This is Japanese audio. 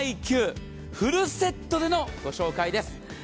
フルセットでのご紹介です。